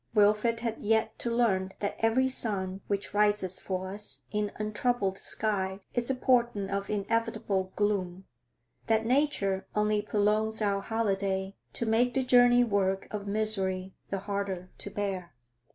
Wilfrid had yet to learn that every sun which rises for us in untroubled sky is a portent of inevitable gloom, that nature only prolongs our holiday to make the journey work of misery the harder to bear.